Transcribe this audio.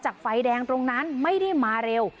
ไฟแดงตรงนั้นไม่ได้มาเร็ว